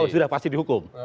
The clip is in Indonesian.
sudah pasti dihukum